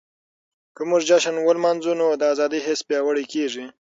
که موږ جشن ولمانځو نو د ازادۍ حس پياوړی کيږي.